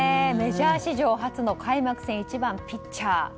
メジャー史上初の開幕戦１番ピッチャー。